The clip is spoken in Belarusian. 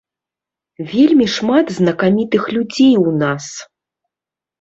Вельмі шмат знакамітых людзей у нас.